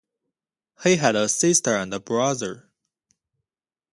He had a sister and a brother.